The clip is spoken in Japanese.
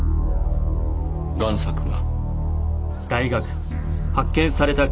贋作が。